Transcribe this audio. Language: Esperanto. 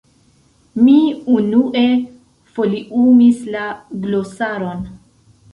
Mi unue foliumis la glosaron.